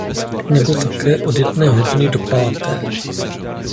Nebo také od jedné hodiny do páté.